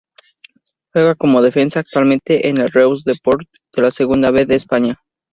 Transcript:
Juega como defensa, actualmente en el Reus Deportiu de la Segunda B de España.